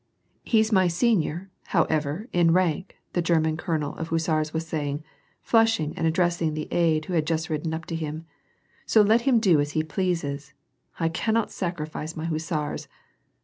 "He's my senior, however, in rank," the German colonel of hnssars was saying, flushing and addressing the aide who had jnst ridden up to him, "so let him do as he pleases. I cannot sacrifice my hussars.